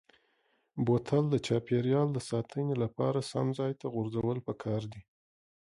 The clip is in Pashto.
بوتل د چاپیریال د ساتنې لپاره سم ځای ته غورځول پکار دي.